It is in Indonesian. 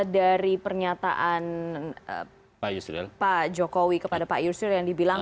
dari pernyataan pak jokowi kepada pak yusril yang dibilang